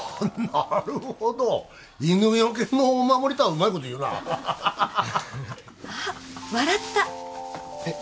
なるほど犬よけのお守りとはうまいこと言うなハハハハハッあっ笑ったえっ？